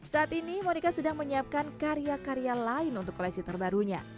saat ini monika sedang menyiapkan karya karya lain untuk koleksi terbarunya